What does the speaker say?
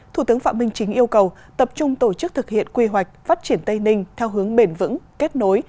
thủ tướng phạm minh chính yêu cầu tập trung tổ chức thực hiện quy hoạch phát triển tây ninh theo hướng bền vững kết nối